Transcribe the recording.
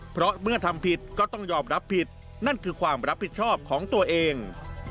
เพราะเมื่อทำผิดก็ต้องยอมรับผิดนั่นคือความรับผิดชอบของตัวเอง